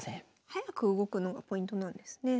早く動くのがポイントなんですね。